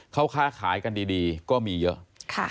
เขาค้าขายกันดีก็มีเยอะ